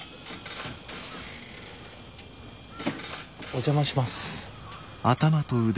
お邪魔します。